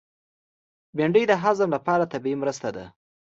بېنډۍ د هضم لپاره طبیعي مرسته ده